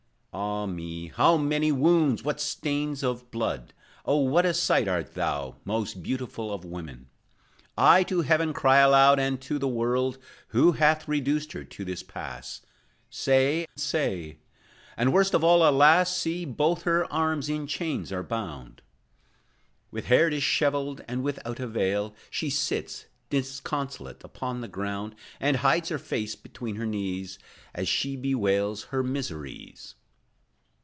Ah, me, how many wounds, what stains of blood! Oh, what a sight art thou, Most beautiful of women! I To heaven cry aloud, and to the world: "Who hath reduced her to this pass? Say, say!" And worst of all, alas, See, both her arms in chains are bound! With hair dishevelled, and without a veil She sits, disconsolate, upon the ground, And hides her face between her knees, As she bewails her miseries.